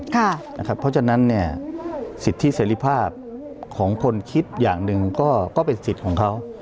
เพราะฉะนั้นสิทธิเสรีภาพของคนคิดอย่างหนึ่งก็เป็นสิทธิ์ของเขา